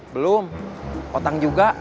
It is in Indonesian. belum otang juga